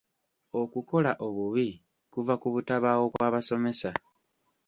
Okukola obubi kuva ku butabaawo kw'abasomesa.